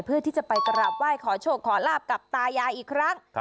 เพื่อที่จะไปกราบไหว้ขอโชคขอลาบกับตายายอีกครั้ง